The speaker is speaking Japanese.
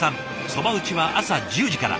そば打ちは朝１０時から。